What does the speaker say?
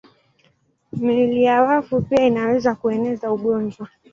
Miili ya wafu pia inaweza kueneza ugonjwa.